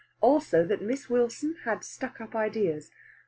Also that Miss Wilson had stuck up ideas.